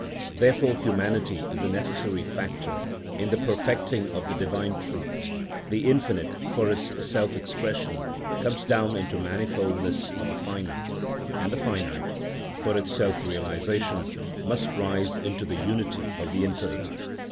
Therefore Humanity is a necessary factor in the perfecting of the divine truth. The Infinite, for its self expression, comes down into the manifoldness of the Finite; and the Finite, for its self realisation, must rise into the unity of the Infinite.